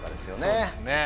そうですね。